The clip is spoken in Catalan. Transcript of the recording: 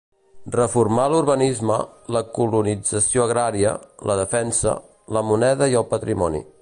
Reformà l'urbanisme, la colonització agrària, la defensa, la moneda i el patrimoni.